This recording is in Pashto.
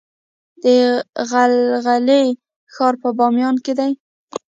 د غلغلې ښار په بامیان کې دی